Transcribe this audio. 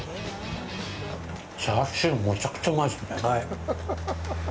チャーシュー、むちゃくちゃうまっすね！